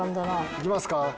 いきますか。